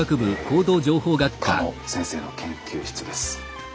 狩野先生の研究室です。